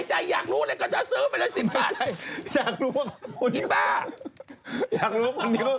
อยากรู้เหรอคนนี้